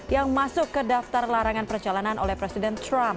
yang masuk ke daftar larangan perjalanan oleh presiden trump